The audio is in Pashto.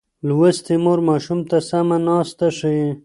لوستې مور ماشوم ته سمه ناسته ښيي.